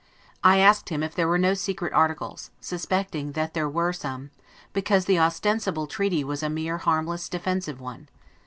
I asked him if there were no secret articles; suspecting that there were some, because the ostensible treaty was a mere harmless, defensive one.